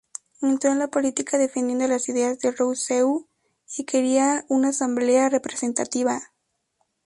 Entró en la política defendiendo las ideas de Rousseau y quería una asamblea representativa.